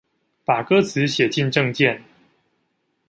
把歌詞寫進政見